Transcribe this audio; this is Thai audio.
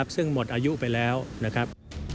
ซึ่งหมดอายุไปแล้วนะครับ